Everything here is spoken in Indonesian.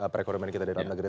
perekonomian kita dalam negeri